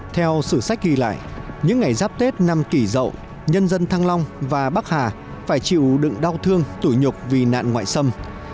theo sử sách ghi lại những ngày giáp tết năm kỷ rậu nhân dân thăng long và bắc hà phải chịu đựng đau thương tủi nhục vì nạn ngoại xâm